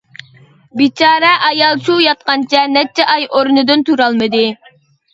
بىچارە ئايال شۇ ياتقانچە نەچچە ئاي ئورنىدىن تۇرالمىدى.